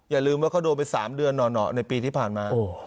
อย่าลืมว่าเขาโดนไป๓เดือนหน่อในปีที่ผ่านมา